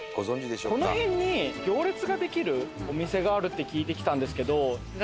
この辺に行列ができるお店があるって聞いてきたんですけど。